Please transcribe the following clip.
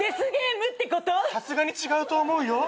さすがに違うと思うよ。